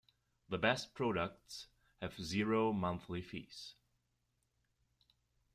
The best products have zero monthly fees.